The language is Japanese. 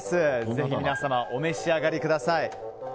ぜひ、皆様お召し上がりください。